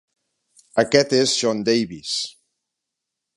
Aquest és Jon Davis.